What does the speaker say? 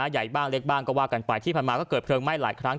ใหญ่บ้างเล็กบ้างก็ว่ากันไปที่ผ่านมาก็เกิดเพลิงไหม้หลายครั้ง